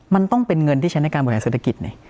มันต้องเป็นเงินที่ใช้ในการบริหารเศรษฐกิจ